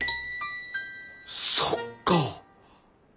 そっか！